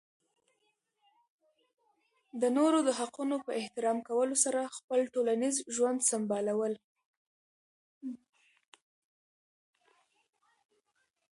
د نورو د حقونو په احترام کولو سره خپل ټولنیز ژوند سمبالول.